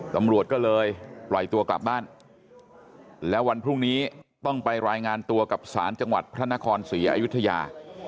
ตำรวจก็เลยปล่อยตัวกลับบ้านแล้ววันพรุ่งนี้ต้องไปรายงานตัวกับศาลจังหวัดพระนครศรีอยุธยา